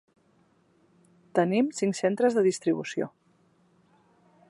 Tenim cinc centres de distribució.